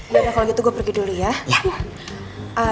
gak ada kalau gitu gue pergi dulu ya